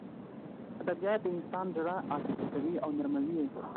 ادبیات د انسان زړه عاطفي کوي او نرموي یې